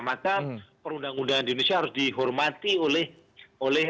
maka perundang undangan di indonesia harus dihormati oleh